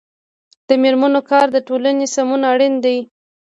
د میرمنو کار د ټولنې سمون اړین دی.